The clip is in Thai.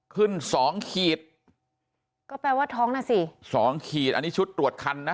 ขึ้นสองขีดก็แปลว่าท้องน่ะสิสองขีดอันนี้ชุดตรวจคันนะ